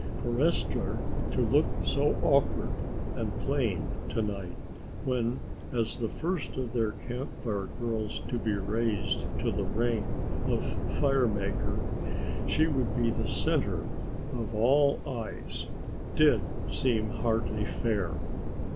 For Esther to look so awkward and plain to night, when as the first of their Camp Fire girls to be raised to the rank of Fire Maker she would be the center of all eyes, did seem hardly fair.